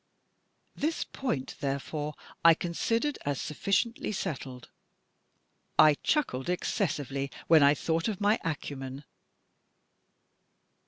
This point, therefore, I con sidered as sufficiently settled. I chuckled excessively when I thought of my acumen.